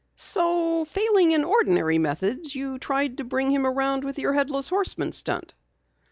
"So failing in ordinary methods, you tried to bring him around with your Headless Horseman stunt?"